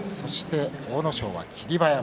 阿武咲は霧馬山。